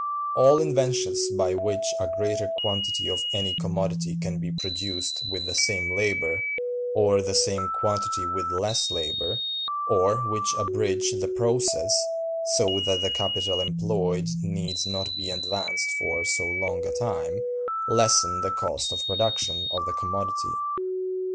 All inventions by which a greater quantity of any commodity can be produced with the same labor, or the same quantity with less labor, or which abridge the process, so that the capital employed needs not be advanced for so long a time, lessen the cost of production of the commodity.